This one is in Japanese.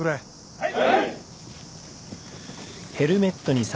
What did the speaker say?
はい。